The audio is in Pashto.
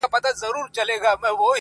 نن خو يې بيا راته يوه پلنډه غمونه راوړل~